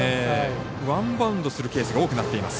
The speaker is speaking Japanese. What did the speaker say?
ワンバウンドするケースが多くなっています。